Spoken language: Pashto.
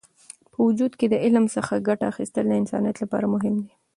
په وجود کې د علم څخه ګټه اخیستل د انسانیت لپاره مهم دی.